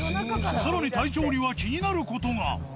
さらに隊長には気になることが。